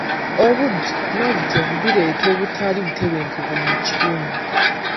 Obubbi n'obutemu bireeta obutali butebenkevu mu kitundu.